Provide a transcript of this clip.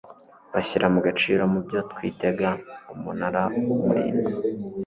bashyira mu gaciro mu byo twitega Umunara w Umurinzi